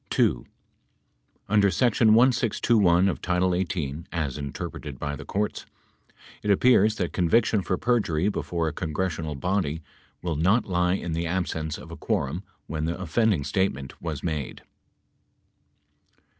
(2) Under section 1621 of title 18, as interpreted by the courts, it appears that conviction for perjury before a congressional body will not lie in the absence of a quorum when the offending statement was made.